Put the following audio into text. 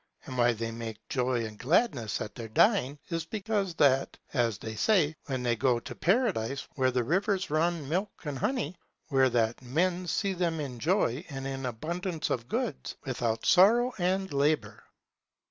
And why they make joy and gladness at their dying is because that, as they say, then they go to Paradise where the rivers run milk and honey, where that men see them in joy and in abundance of goods, without sorrow and labour.